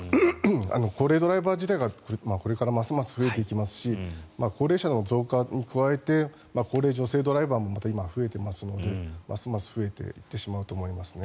高齢ドライバー自体がこれからますます増えていきますし高齢者の増加に加えて高齢女性ドライバーも今、増えていますのでますます増えていってしまうと思いますね。